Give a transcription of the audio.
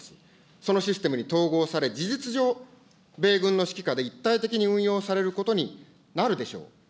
そのシステムに統合され、事実上、米軍の指揮下で一体的に運用されることになるでしょう。